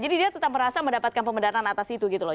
jadi dia tetap merasa mendapatkan pemberantasan atas itu gitu loh